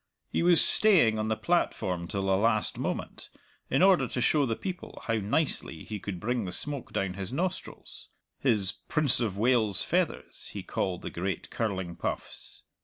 He was staying on the platform till the last moment, in order to show the people how nicely he could bring the smoke down his nostrils his "Prince of Wales's feathers" he called the great, curling puffs.